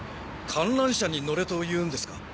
観覧車に乗れと言うんですか？